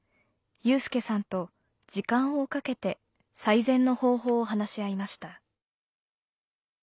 有さんと時間をかけて最善の方法を話し合いました。